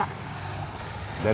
gue duluan ya batu bata